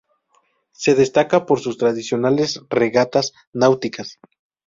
Se destaca por sus tradicionales regatas Náuticas.